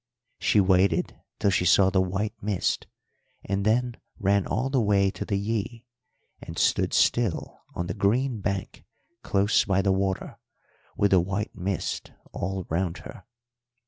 "She waited till she saw the white mist, and then ran all the way to the Yí, and stood still on the green bank close by the water with the white mist all round her.